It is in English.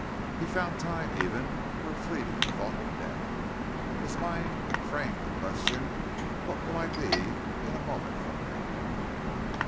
He found time, even, for a fleeting thought of death. His mind framed the question, "What will I be in a moment from now?"